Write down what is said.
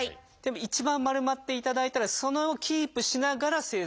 一番丸まっていただいたらそれをキープしながら正座します。